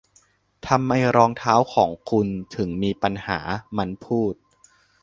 'ทำไมรองเท้าของคุณถึงมีปัญหา' มันพูด